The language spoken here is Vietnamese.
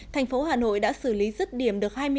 thành phố hà nội đã xử lý rứt điểm được